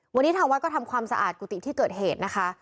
วันนี้ทางวัดก็ทำความสะอาดกุฏิที่เกิดเหตุนะคะ